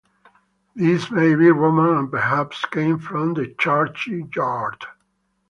These may be Roman and perhaps came from the churchyard.